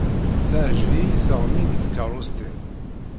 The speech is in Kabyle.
Teɛǧeb-iyi teɣmi n tkeṛṛust-im.